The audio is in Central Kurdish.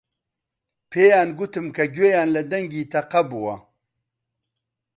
پێیان گوتم کە گوێیان لە دەنگی تەقە بووە.